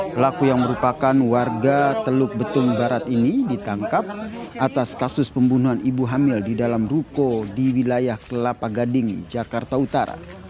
pelaku yang merupakan warga teluk betung barat ini ditangkap atas kasus pembunuhan ibu hamil di dalam ruko di wilayah kelapa gading jakarta utara